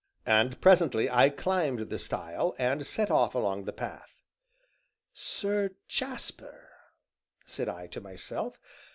And presently I climbed the stile, and set off along the path. "Sir Jasper!" said I to myself.